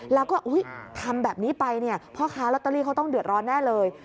แล้วก็ทำแบบนี้ไปเนี่ยพ่อค้าลอตเตอรี่เขาต้องเดือดร้อนแน่เลย